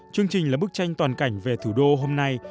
chương trình là bức tranh toàn cảnh về thủ đô hôm nay